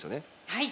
はい。